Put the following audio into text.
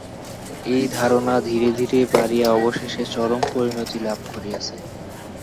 এই ধারণা ধীরে ধীরে বাড়িয়া অবশেষে চরম পরিণতি লাভ করিয়াছে।